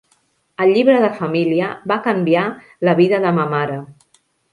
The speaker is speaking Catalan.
El llibre de família va canviar la vida de ma mare.